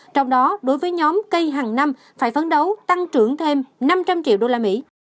trong đó đối với nhóm cây hàng năm phải phấn đấu tăng trưởng thêm năm trăm linh triệu usd